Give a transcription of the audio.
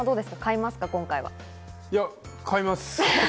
買いますか？